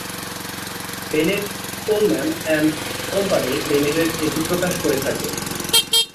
Bennett, Coleman and Co Limited এটি প্রকাশ করে থাকে।